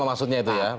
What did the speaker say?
maksudnya itu ya